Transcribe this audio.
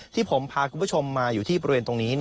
ที่ผมพาคุณผู้ชมมาอยู่ที่บริเวณตรงนี้